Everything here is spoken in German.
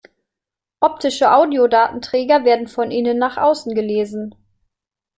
Optische Audiodatenträger werden von innen nach außen gelesen.